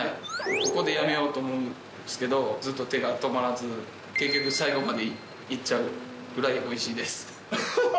ここでやめようと思うんですけど、ずっと手が止まらず、結局最後までいっちゃうぐらいおいしいです。